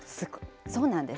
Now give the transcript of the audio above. そうなんです。